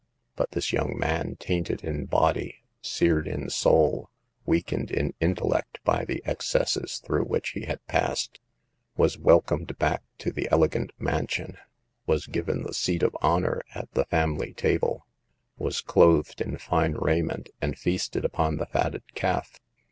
But this young man, tainted in body, seared in soul, weakened in intellect by the excesses through which he had passed, was welcomed back to the elegant mansion; was given the seat of honor at the family table, was clothed in fine raiment and feasted upon the fatted calf.